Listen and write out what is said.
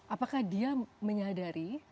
apakah dia menyadari